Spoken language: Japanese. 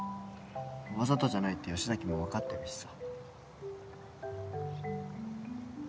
わざとじゃないって吉崎も分かってるしさ